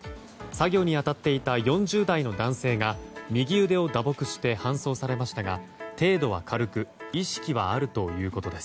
作業に当たっていた４０代の男性が右腕を打撲して搬送されましたが程度は軽く￥意識はあるということです。